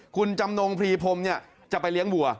คุณจำนงพรีพรมจะไปเลี้ยงวัว